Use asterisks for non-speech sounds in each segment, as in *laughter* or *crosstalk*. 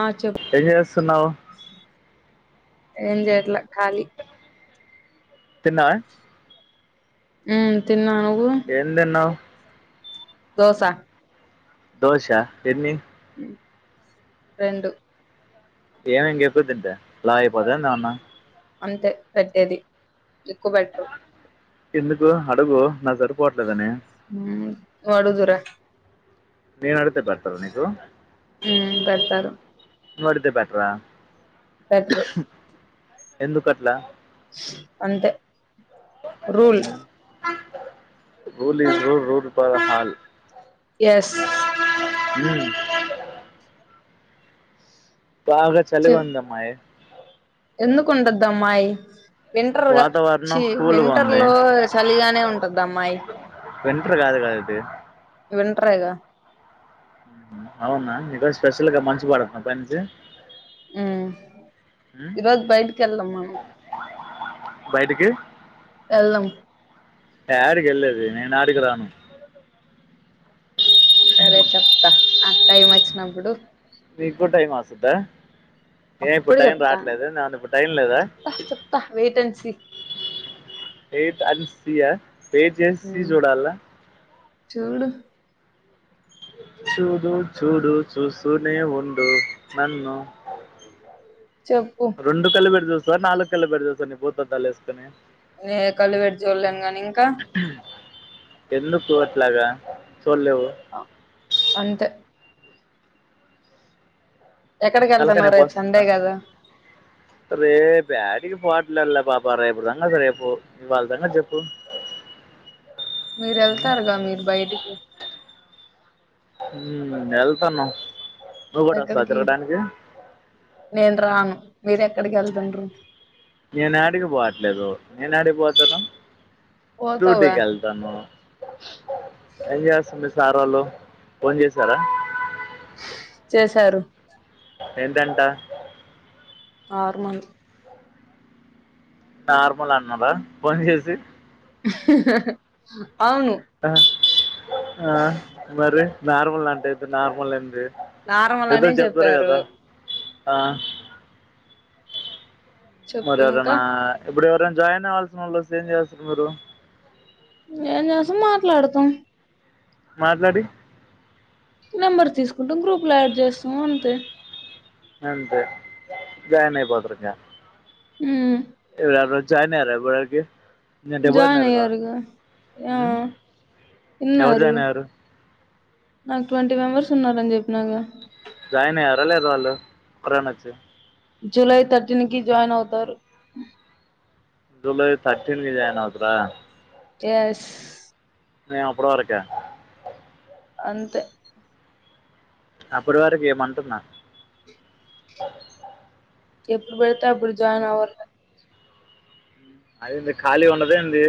ఆ చెప్ ఏం చేస్తున్నావు ఏం జేయట్లే ఖాళీ తిన్నవ ఉమ్ తిన్నా నువ్వు ఏందిన్నావ్ దోసా దోశా ఎన్నీ రెండు ఏమైంది ఎక్కువ తింటే లావైపోతాందన్నా అంతే పెట్టేది ఎక్కువ పెట్టరు ఎందుకు అడుగు నాక్ సరిపోట్లేదని ఊమ్ నువ్ అడుగుదురా నేన్ అడిగీతే పెడతారా నీకు ఉమ్ పెడతారు నువ్వు అడిగీతే పెట్టరా పెట్టరు ఎందుకట్లా అంతే rule rule is rule rule for all yes ఉం బాగా చలిగుందమ్మాయ్ ఎందుకుండద్దమ్మాయ్ వింటర్గా వాతావరణం ఛీ కూల్గా వింటర్ ఉంది లో చలిగానే ఉంటదమ్మాయ్ వింటర్ గాదు గద ఇది వింట్రేగా అవునా ఈ రోజు స్పెషల్ గా మంచి పడుతుందా పై నుంచి ఉమ్ ఈ రోజు బయటికి వెళ్దాం మనం బైటికి వెళ్దాం యాడికెళ్ళేది నేనాడికి రాను సరే చెప్తా నాక్ టైం అచ్చినప్పుడు నీగూడ టైం వస్సుద్దా ఏ ఇప్పుడు అప్పుడు టైం చెప్తాను రాట్లేద్ అందుకు టైం లేదా చెప్తా చెప్తా wait and see wait and see wait జేస్సి ఉమ్ జూడాలా చూడు చూడు చూడు చూస్తునే ఉండు నన్ను చెప్పు రెండు కళ్ళు పెట్టి చూస్తవ నాలుగు కళ్లు పెట్టి చూస్తవ నీ భూతద్దాలు ఎసుకొని ఏ కళ్ళు వెట్టి చూలేను గాని ఇంకా ఎందుకు అట్లాగ చూళ్ళేవు అంతే ఎక్కడికి తలక ఏళ్తున్నావ్ రేపు సండే గదా రేప్ యాడికి పోట్లే లే పాప రేపుటి సంగతి రేపు ఇవాళ సంగతి చెప్పు మీరు ఉమ్, వెళ్తారుగా మీరు బయటికి ఉమ్ ఎల్తాన్నం ఎక్కడికి నేను రాను మీరు ఎక్కడికి వెళ్తుండ్రు నేను యాడిగిపోవట్లేదు నేను యాడిగిపోతను పోతావుగా డుటికి వెల్ దను ఏం చేస్తుంది సారోళ్లు ఫోన్ చేసారా చేసారు ఏంటంటా ఆర్మల్ నార్మల్ అన్నారా ఫోన్ చేసి అవును ఆ ఆ మరి నార్మల్ అంటేతే నార్మల్ ఏంది నార్మల్ అనే ఇద్దరు చప్పేరు చెప్పారు కదా ఆ మరి చెప్పు ఎవరన్న ఇంకా ఇప్పుడు ఎవరైనా జాయిన్ అవ్వాలసినోళ్లు వొస్తే ఏం చేస్తరు మీరు ఎం చేసాం మాట్లాడుతం మాట్లాడి నెంబర్ తీసుకుంటాం గ్రూప్ లో యాడ్ చేస్తాము అంతే అంతే జాయిన్ అయిపోతరు ఇంగ ఉ ఎవరైనా జాయిన్ అయ్యారా ఇప్పుడు వరకి జాయిన్ అయ్యారుగా ఆ ఉమ్, ఎవరు ఉన్నారు జాయిన్ అయ్యారు నాకు ట్వంటీ మెంబర్స్ ఉన్నారు అని చెప్పినగా జాయిన్ అయ్యారా లేద వాళ్ళు ఒక్కరన్న వొచ్చి జూలై థర్టీన్ కి జాయిన్ అవుతారు జులై థర్టీన్ కి జాయిన్ అవుతరా ఎస్ మేము ఆప్పుడు వరకే అంతే అప్పుడు వరకి ఎం అంటున్న ఎప్పుడు పడితే అప్పుడు జాయిన్ అవర్ లే అదేంది ఖాళీగ ఉండదు ఏందీ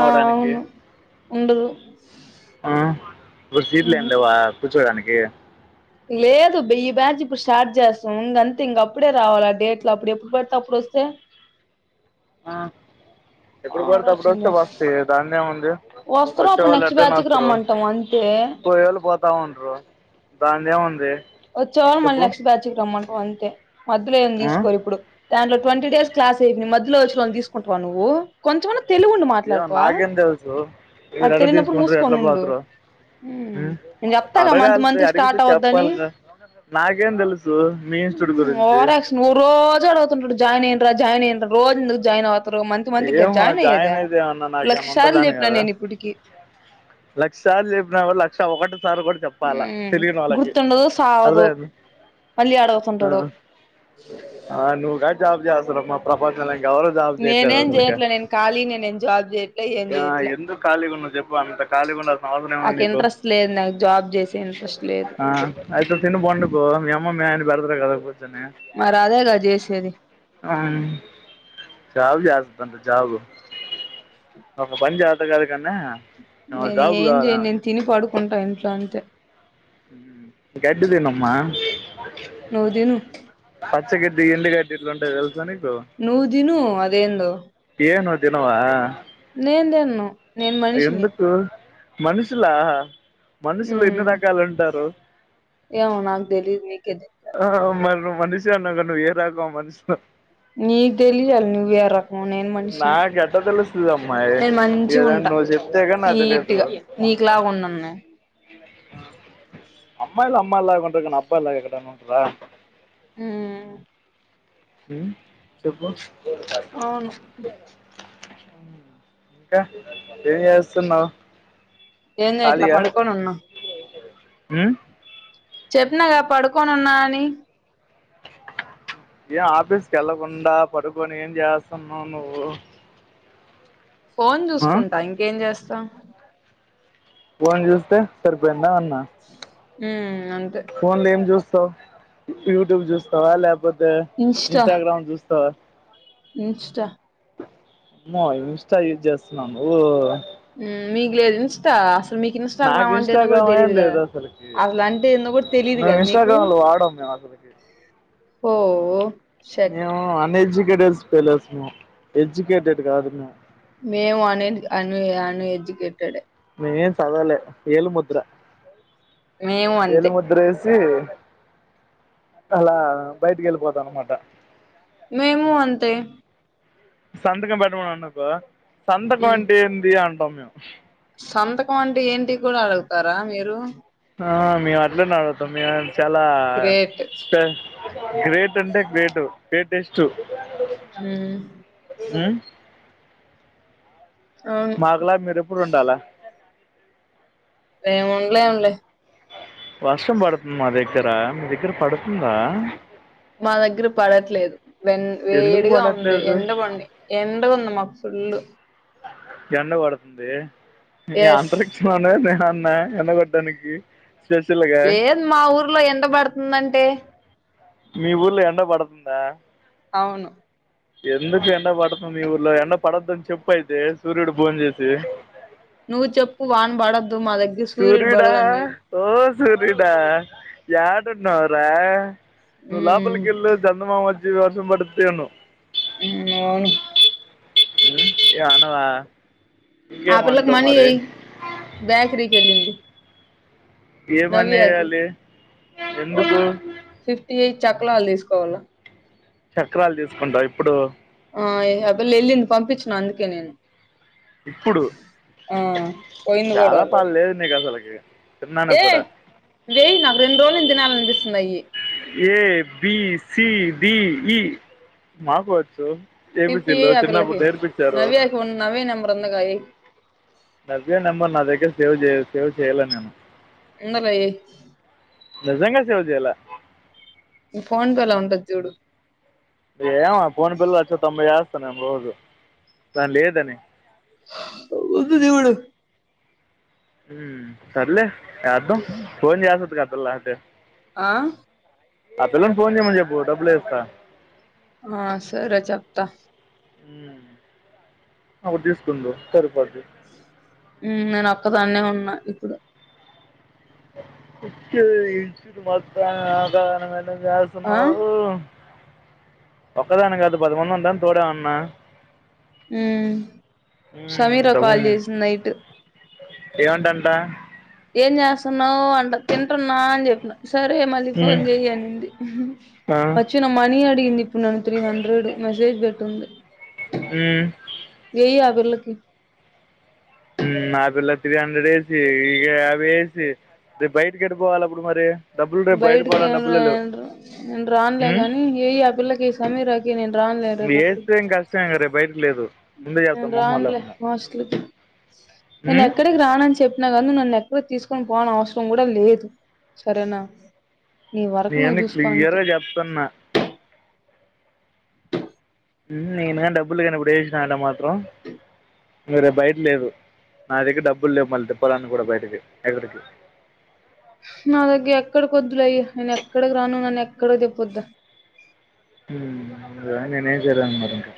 ఆ అవును ఉండుదు ఆ ఇప్పుడు సీట్లు ఏం లేవా కూర్చోడానికి లేదు బి బ్యా ఈ బ్యాచ్ ఇప్పుడు స్టార్ట్ చేస్తాం ఇంగంతే ఇంగ అప్పుడే రావాలి ఆ డేట్ లో అప్పుడు ఎప్పుడు పడితే అప్పుడు వొస్తే ఆ ఆ ఎప్పుడు పడితే అప్పుడు రాసింది వొస్తే రాసి వొస్థి దానిది ఏముంది వస్తారు అప్పుడు వొచ్చేవాళ్ళు నెక్స్ట్ ఎట్లైనా బ్యాచ్ కి వొస్తరు రమ్మంటాం అంతే పోయేవాళ్లు పొత్ తావుండ్రు దానిదే ఏముంది వొచ్చేవాళ్ళ మళ్ చెప్పు నెక్స్ట్ బ్యాచ్ కి రమ్మంటం అంతే మధ్యలో ఏమి ఆ? తీసుకోరు ఇప్పుడు దాంట్లో ట్వంటీ డేస్ క్లాస్ అయిపోయినాయి మధ్యలో వొచ్చినోలని తీసుకుంటావా నువ్వు కొంచం అన్న తెలివి ఉండి ఏమో మాట్లాడతావా నాకేం తెలుసు మీరు మరి ఎట్లా తెలియనప్పుడు తీసుకుంట్రో ఎట్లా మూసుకొని ఉండు పోతారో ఉమ్ ఉ నేను చెప్తాగా మంత్ అడగాలిదే మంత్ కి అడిగితే స్టార్ట్ అవద్దని చెప్పాలిగా నాకేం తెలుసు మీ ఇన్స్టిట్యూట్ గురించి నువ్ రోజు అడుగుతుంటడు జాయిన్ అయిన్రా జాయిన్ అయిన్రా రోజు ఎందుకు జాయిన్ అవుత్ త్రు మంత్ మంత్ కి గద ఏమో జాయిన్ అయ్యేదే అయితే ఏమన్నా లక్ష నాకేమన్నా సార్లు ఉంటుందని చెప్పిన కదా నేను ఇపుటికి లక్ష సార్లు చెప్పిన గూడ లక్ష ఒకటోసారి గూడ చెప్పాలా ఉమ్ తెలియనోళ్ళకి గుర్తుండదు అదే సావదు అది మళ్ళీ ఆ అడుగుతుంటాడు ఆ నువ్ గాని జాబ్ చేస్తున్నావ్ మా ప్రపంచంల ఇంకెవరు జాబ్ చేయిట్ నేనే ఏం చేయట్లే నేను ఖాళీనే నేను జాబ్ చేయట్లే ఏం చేయట్లే ఖాళీ గా ఉన్న చెప్పు అంత ఖాళీ గా ఉన్నారు మాముల్గనే నాకు పండిండ్రు ఇంట్రెస్ట్ లేదు నాకు జాబ్ చేసే ఇంట్రెస్ట్ లేదు ఆ ఆయితే తిను బొండు బొ మీ అమ్మ మీ నాయనా పెడతారు కద కూర్చనే మరి అదేగా జేశేది *unintelligible* జాబ్ జెస్తాదంట జాబ్ ఒక పని చేత గాదు కన్నె నేను జాబు ఏం కావాలి చేయను నేను ఆమెకి తిని పడుకుంటా ఇంట్లో అంతే గడ్డ దినమ్మా నువ్వు తిను పచ్చ గడ్ది ఎండు గడ్ *unintelligible* తెలుసా నీకు నువ్వు తిను అదేందో ఏ నువ్వు తిన్నావా నేను తిను ఎందుకు మనుషులా మనుషులు ఎన్ని ఉమ్ రకాలు ఉంటారు ఏమో నాక్ తెలియదు నీకే తే ఆ మరి నువ్వు మనుషి ఏ అన్నవ్ గా నువ్వు ఏ రకం మనుష్నో నీక్ తెలియాలి నువ్వే రక్ నేను మనుషినే నాకు ఎట్ట తెలుస్తది అమ్మాయి నేను ఏదైనా మంచిగుంట నువ్వు చెప్తే గాని నాకు తెలియదు నీట్గా నీకులాగా ఉండన్నె అమ్మాయిలు అమ్మాయిలగా ఉంటరు గనీ అబ్బాయిలగా ఎక్కడైన ఉంటరా మ్ చెప్పు అవును ఇంక ఏం చేస్తున్నవ్ ఏం చేయట్లే పడుకోని ఉన్న మ్ చెప్పినగా పడుకొని ఉన్నా అని ఏం ఆఫీస్కి ఎళ్ళకుండా పడుకొని ఏం చేస్తున్నావ్ నువ్వు ఫోన్ ఆ చూసుకుంటా ఇంకేం చేస్తా ఫోన్ చూస్తే సరిపోయిందా అన్న ఉమ్ అంతే ఫోన్ లో ఏం చేస్తావ్ యూట్యూబ్ చూస్తావా లేకపోతే ఇన్స్టాగ్రామ్ చూస్తావా ఇన్స్టి అమ్మో ఇన్స్టా యూజ్ చేస్తున్నవా నువ్వు మ్ మీకు లేద్ ఇన్స్టా మీకు నాకు ఇన్స్టాగ్రామ్ అంటే ఎందో గూడ ఇన్స్టాగ్రామ్ ఏం తెలీదు గదా లేదు అసలుకి అసలు అంటే ఎందో గూడ తెలిదు గద మీకు అసలికి ఓఓ మేము అనేడ్యుకేటెడ్ ఫెలోస్ మెము ఎడ్యుకేటెడ్ గాదు మేము మేము అనే అన్ అనేడ్యుకేటెడే మెము ఏం సదవలే ఏలి ముద్ర మేము అంతే ఏలి ముద్ర ఎసీ అలా బయటికి ఎళ్ళిపోతం అనమాట మేము అంతే సంతకం పెట్టమనరానుకో సంతకం మ్ అంటే ఏంది అంటాం మేము సంతకం అంటే ఏంటి కూడా అడుగుతారా మీరు ఆహ మేము అట్లనే అడుగుతాం మేము చాలా గ్రేట్ *inaudible* గ్రేట్ అంటే గ్రేట్ గ్రేటెస్ట్ మ్మ్ మ్ అవును మాకులా మీరు ఎప్పుడు ఉండాలా మేం ఏయలేంలే వర్షం పడుతుంది మా దగ్గరా మీ దగ్గర పడుతుందా మా దగ్గర పడట్లేదు వెన్ ఎందుకు వేడిగా ఉంది పడట్లేదు ఎండ బండి ఎండగా ఉంది మాకు ఫుల్లు ఎండ పడుతుంది *unintelligible* *unintelligible* ఎస్ ఎండగొట్టడానికి స్పెషల్గా లేదు మా ఊర్లో ఎండ పడుతుందంటే మీ ఊర్లో ఎండ పడుతుందా అవును ఎందుకు ఎండ పడుతుంది ఈ ఊర్లో ఎండ పడొద్దు అని చెప్పు అయితే సూర్యుడు ఫోన్ జెసి నువ్వు చెప్పు వాన బడొద్దు మా దగ్గర సూర్యుడు పడు సూర్యుడా అని ఓ సూర్యుడా యాడున్నావురా నువ్ మ్ లోపలికెళ్ళు చందమామచ్చి వర్షం పడుద్దేను మ్మ్ అవును ఏండవా ఆ పిల్లకి మనీ ఏయ్ గాయత్రి కి వెళ ఏమని వెయ్యాలి ఒక ఎందుకు ఫిఫ్టీ ఎయిట్ చకలాలు తీసుకోవాలా చక్రాలు తీసుకుంటా ఇప్పుడు ఆ ఎహె అపిల్ల ఎళ్ళింది పంపించిన అందుకే నేను ఇప్పుడు ఆ పోయింది కూడా ఎలా పాల ఆల్రెడీ లేదు నీకు అసలకి ఏ వెయ్ నాకు రెండు రోజులు నుంచి తినాలనిపిస్తుంది అయ్యి A B C D E మాకు వచ్చు ఫిఫ్టీ ఏబిసీలు ఎయ్ ఆ చిన్నప్పుడు పిల్లకి నేర్పించారు నవ్యకి నవ్య నంబర్ ఉందిగా ఎయి నవ్య నంబర్ నా దగ్గర సేవ్ చేయా సేవ్ చేయల నేను ఇంద లో ఎయి నిజంగా సేవ్ చెయ్యల నీ ఫోన్ పే లో ఉంటది చూడు ఏమ పోని పిల్ల అచ్చా తొంభై ఎస్తాను ఏమో రోజు కానీ లేదని ఉంది చూడు హ్మ్ సర్లే యాద్దాం ఫోన్ చేస్తది గా ఆ పిల్ల అటే ఆ ఆ పిల్లను ఫోన్ జేయమని చెప్పు డబ్బులు ఎస్తా ఆ సరే చెప్తా హ్మ్ అప్పుడు తీసుకుందు సరిపోద్ది హ్మ్ నేను ఒక్కదాన్నే ఉన్నా ఇప్పుడు వచ్చేయ్ ఆ *unintelligible* ఒక్కదాని కాపోతే పది మంది ఉందా తోడు ఎవ్వన్నా హ్మ్ సమీరా కాల్ చేసింది నైట్ ఏంటంట ఏం చేస్తున్నావు అంట తింటున్నా అని చెప్పిన సరే మళ్ళీ ఫోన్ చెయ్ అనింది ఆ వచ్చ తను మనీ అడిగింది ఇప్పుడు నన్ను త్రీ హండ్రెడ్ మెసేజ్ పెట్టింది మ్మ్ ఎయ్ ఆ పిల్లకి. ఉమ్ ఆ పిల్లకీ త్రీ హండ్రెడ్ ఏసి, ఈ ఇగా యాభై ఏసి, రేప్ బైటికెట్టపోవాలి అప్పుడు మరి డబ్బులు రేపు బయట పోవడానికి బైటికేం డబ్బులే లేవు లేదు. నేను రాన్లే గానీ, ఎయ్ ఆ పిల్లకి సమీరకేయ్. నేన్ రాన్లే రేపక్కడికి. ఛ ఇంగ రేప్ బయటికి లేదు. ముందే చెప్తా నేను మొహమాట రాన్లే లేకుండా మోస్ట్లీ నేను ఉమ్ ఎక్కడి రానని చెప్పిన గద, నన్ను ఎప్పుడు తీస్కొని పోనవస్రం కూడ లేదు. సరేనా! నీ వరకు నువ్వు నేను చూసుకో అంతే. క్లియర్గా చెప్తున్నా. మ్హు నేన్ గాని డబ్బులు కానీ ఇప్పుడు ఏసిన అంటె మాత్రం, ఇంగ రేపు బయట లేదు. నా దగ్గర డబ్బులు లేవు మళ్ళీ తిప్పాలన్నా కూడ బైటకి, ఎక్కడికి. నా దగ్గర ఎక్కడికొద్దులే అయ్య. నేను ఎక్కడికి రాను. నన్ను ఎక్కడికి తిప్పోద్దు. మ్ దానికి నేనేం చేయలేను మరి ఇంక.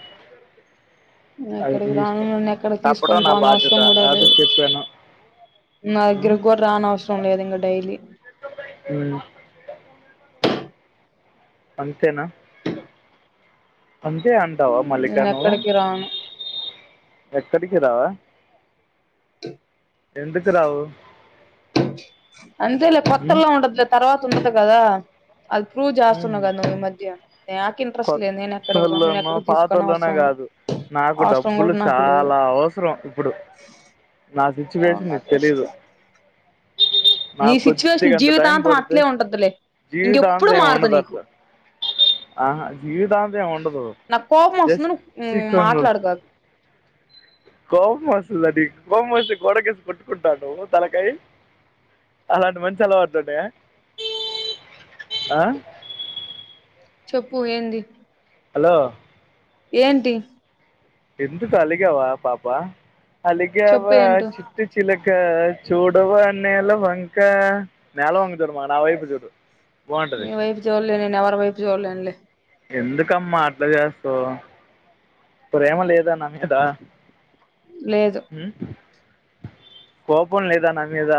నే ఎక్కడికి రాను. నన్ను ఎక్కడకి చెప్పడం తీస్కొని నా బాధ్యత పోనవస్రం కూడ అది లేదు. చెప్పాను నా దగ్గరకి గూడ రానవస్రం లేదు ఇంగ డైలీ. మ్ అంతేనా! అంతే అంటావా మల్లికా నేను నువ్వు? ఎక్కడికి రాను ఎక్కడికి రావా? ఎందుకు రావు? అంతేలే కొత్తల్లో ఉంటదిలే. తర్వాత ఉండదు కదా! అది ప్రూ చేస్తన్నావు కదా నువ్వు ఈ మధ్య. న్యాకు ఇంట్రెస్ట్ లే. నేను ఎక్కడికి రాను. కొత్తోళ్ళనో నన్నెక్కడికి పాతోళ్ళనో తీస్కొనవస్రం లే. కాదు నాకు డబ్బులు చాల అవసరం ఇప్పుడు. నా సిచ్యువేషన్ ఏమన్నా నీకు తెలీదు. చేసుకో నీ నాకు సిచ్యువేషన్ కొద్దిగా అంత టైం జీవితాంతం పడితే అట్లే ఉంటదులే. ఇంకెప్పుడు జీవితాంతం ఏమి మారదు ఉండదు నీకు. అట్లా ఆహా జీవితాంతం ఏమి ఉండదు నాక్ కోపం వొస్తుంది. జస్ట్ నువ్ చికెన్ మాట్లాడుకాకు. కోపమోస్తుందా నీకు కోపమోస్తే గోడకేసి కొట్టుకుంటావ నువ్వు తలకాయి. అలాంటి మంచి అలవాట్లున్నయా? ఆ? చెప్పు ఏంది? హలో ఏంటి? ఎందుకు అలిగావా పాప? చెప్పు అలిగావా ఏంటో చిట్ ట్టి చిలక చూడవా నేల వంకా? నేలవంగ జూడమా నా వైపు చూడు. బాగుంటది నీ వైపు చూడ్లే నేను ఎవరి వైపు చూడలేను లే. ఎందుకమ్మ అట్ల జేస్తవ్? ప్రేమ లేదా నా మీద? లేదు మ్ కోపం లేదా నా మీద?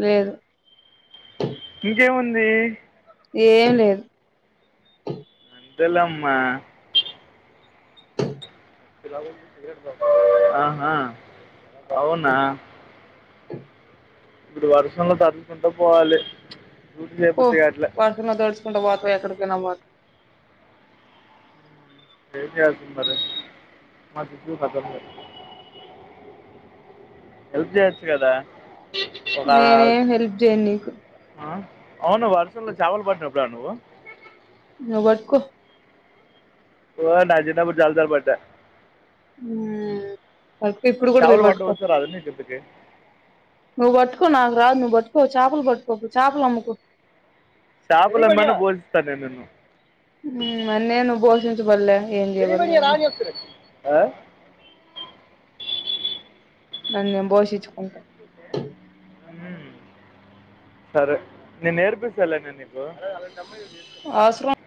లేేదు. ఇంకేముంది? ఏం లేదు. తులమ్మ ఆహా ఆహా బాగున్న ఇప్పుడు వర్షంలో తడ్సుకుంటాపోవాలి ప్చ్ పో వర్షంలో తడుచుకుంట పోతవో ఎక్కడికైనా పో ఏంజేస్నారూ హల్ప్ జేయొచ్చు గదా నేనేం హెల్ప్ జెయ్యన్నీకు అవునా, ఔను వర్షంలో చావలు పట్టినవ ఎప్పుడన్నా నువ్వు నువ్ వట్కో ఓ నా చిన్నప్పుడూ చాలాసార్లు పట్టా ఉ పట్టు ఇప్పుడు కూడా పోయి చేపలు పట్టడం పట్కో వచ్చా రాదు నీకు ఇంతకి నువ్వు పట్కో నాకు రాదు నువ్వుబట్కో చాపలు పట్టుకోకు చాపలమ్ముకో చాపలమ్మైన పోషిస్తానే నిన్ను ఉ మర్నెను బోషించబల్లే ఏం చెయ్యబల్లే *inaudible* ఆ నన్ను నేను బోషించుకుంటా హ్మ్ సరే నేన్ నేర్పిస్తాలే నేన్ నీకు అవ్సరం